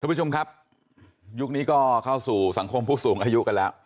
คุณผู้ชมครับยุคนี้ก็เข้าสู่สังคมผู้สูงอายุกันแล้ว